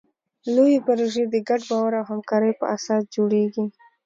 لویې پروژې د ګډ باور او همکارۍ په اساس جوړېږي.